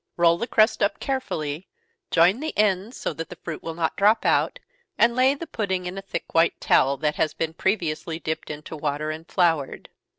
Roll the crust up carefully, join the ends so that the fruit will not drop out, and lay the pudding in a thick white towel, that has been previously dipped into water, and floured.